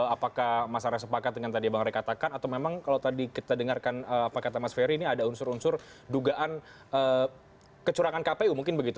apakah mas arya sepakat dengan tadi yang bang ray katakan atau memang kalau tadi kita dengarkan apa kata mas ferry ini ada unsur unsur dugaan kecurangan kpu mungkin begitu